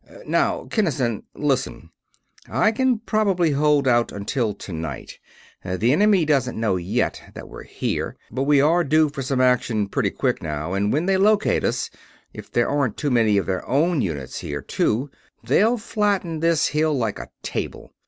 Now, Kinnison, listen. I can probably hold out until tonight. The enemy doesn't know yet that we're here, but we are due for some action pretty quick now, and when they locate us if there aren't too many of their own units here, too they'll flatten this hill like a table.